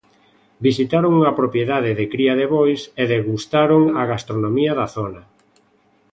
Visitaron unha propiedade de cría de bois e degustaron a gastronomía da zona.